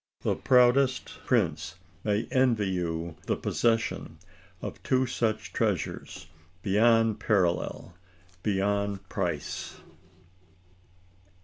The proudest prince may envy you the possession of two such treasures beyond parallel, beyond price!